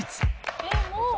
「えっもう？」